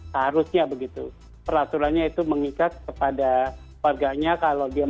harusnya ppkm yang dilakukan di lockdown